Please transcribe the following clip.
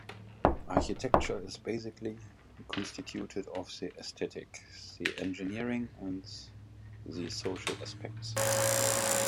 Architecture is basically constituted of the aesthetic, the engineering and the social aspects.